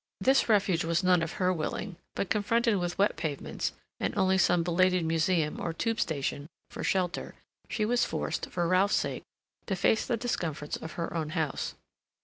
This refuge was none of her willing, but confronted with wet pavements and only some belated museum or Tube station for shelter, she was forced, for Ralph's sake, to face the discomforts of her own house.